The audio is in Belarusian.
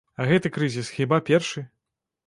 А гэты крызіс хіба першы?